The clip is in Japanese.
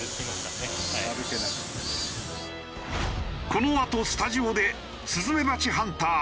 このあとスタジオでスズメバチハンター